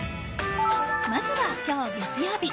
まずは今日月曜日。